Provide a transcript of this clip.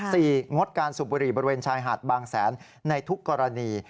งดการสูบบุหรี่บริเวณชายหาดบางแสนในทุกกรณี